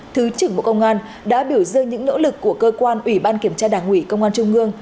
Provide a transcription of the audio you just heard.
thứ trưởng bộ công an đã biểu dương những nỗ lực của cơ quan ủy ban kiểm tra đảng ủy công an trung ương